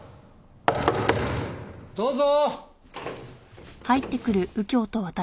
どうぞ！